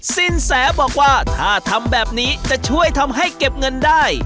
สินแสบอกว่าถ้าทำแบบนี้จะช่วยทำให้เก็บเงินได้